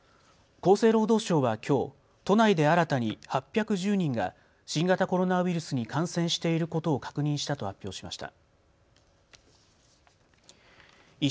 厚生労働省はきょう都内で新たに８１０人が新型コロナウイルスに感染していることを確認したと発表しました。